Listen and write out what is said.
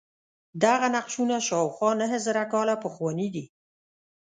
دغه نقشونه شاوخوا نهه زره کاله پخواني دي.